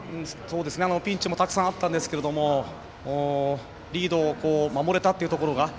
ピンチもたくさんあったんですけどもリードを守れたというところが。